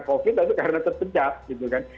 covid tapi karena terpedak gitu kan